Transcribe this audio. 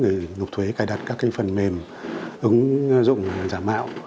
để lục thuế cài đặt các phần mềm ứng dụng giả mạo